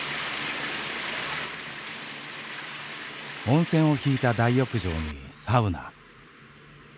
温泉を引いた大浴場にサウナ。